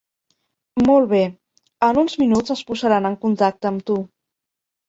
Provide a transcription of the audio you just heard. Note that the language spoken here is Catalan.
Molt bé, en uns minuts es posaran en contacte amb tu.